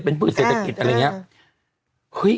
เป็นพืชเศรษฐกิจอะไรอย่างนี้